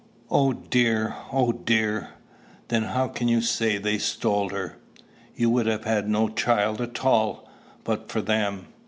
Oh, dear! Oh, dear!" "Then how can you say they stole her? You would have had no child at all, but for them.